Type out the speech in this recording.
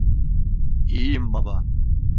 İyiyim baba.